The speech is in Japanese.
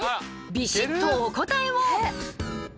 ビシッとお答えを！